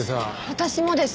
私もです。